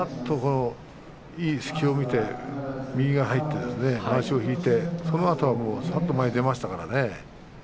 いい隙を見て右が入って、まわしを引いてそのあと、さっと前へ出ましたね。